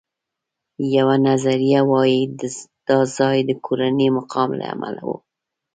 یوه نظریه وایي دا ځای د کورني مقام له امله و.